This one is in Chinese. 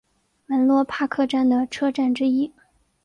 门洛帕克站的车站之一。